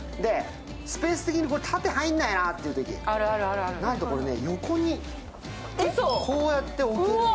スペース的に縦入らないなというとき、なんとこれね、横に、こうやって置けるの。